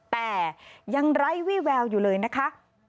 แต่ยังไร้วี่แววอยู่เลยนะคะ